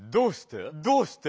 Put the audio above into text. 「どうして？」